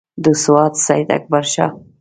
د سوات سیداکبرشاه.